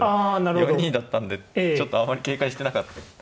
４二だったんでちょっとあまり警戒してなかったんですね。